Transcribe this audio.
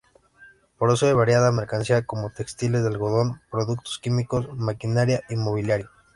Produce variada mercancía como textiles de algodón, productos químicos, maquinaria y mobiliario.